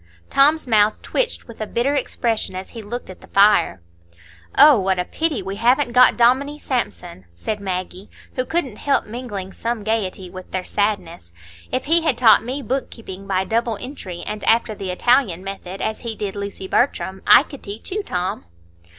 Tom's mouth twitched with a bitter expression as he looked at the fire. "Oh, what a pity we haven't got Dominie Sampson!" said Maggie, who couldn't help mingling some gayety with their sadness. "If he had taught me book keeping by double entry and after the Italian method, as he did Lucy Bertram, I could teach you, Tom."